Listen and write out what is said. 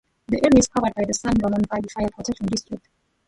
The area is covered by the San Ramon Valley Fire Protection District.